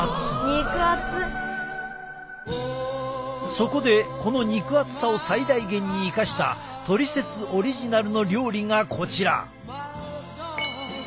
そこでこの肉厚さを最大限に生かしたトリセツオリジナルの料理がこちら！